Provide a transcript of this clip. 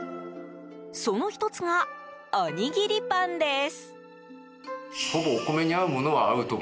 その１つがおにぎりパンです。